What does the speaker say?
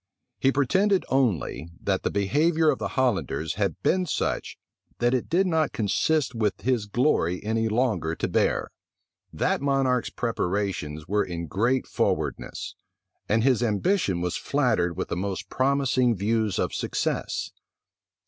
He pretended only, that the behavior of the Hollanders had been such, that it did not consist with his glory any longer to bear. That monarch's preparations were in great forwardness; and his ambition was flattered with the most promising views of success.